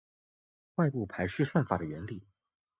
外部排序算法的原理